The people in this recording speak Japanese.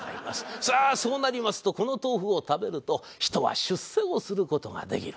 さあそうなりますとこの豆腐を食べると人は出世をする事ができる。